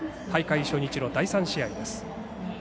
大会初日の第３試合です。